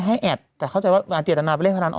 ให้แอดแต่เข้าใจว่าเจรนาไปเล่นพนันออนไลน์